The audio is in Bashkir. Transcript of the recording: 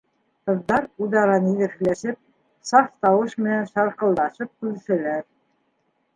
Ҡыҙҙар, үҙ-ара ниҙер һөйләшеп, саф тауыш менән шарҡылдашып көлөшәләр.